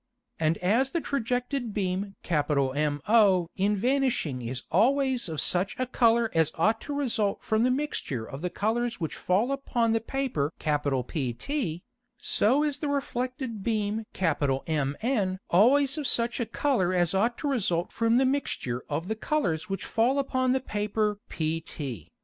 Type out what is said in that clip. And as the trajected beam MO in vanishing is always of such a Colour as ought to result from the mixture of the Colours which fall upon the Paper PT, so is the reflected beam MN always of such a Colour as ought to result from the mixture of the Colours which fall upon the Paper pt.